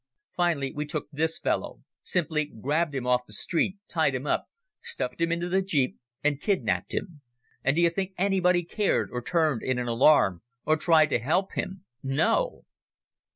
Finally we took this fellow, simply grabbed him off the street, tied him up, stuffed him in the jeep and kidnaped him. And do you think anybody cared or turned in an alarm or tried to help him? No!"